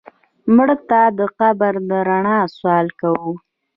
مړه ته د قبر د رڼا سوال کوو